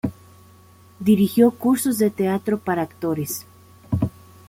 Dirigió cursos de teatro para actores.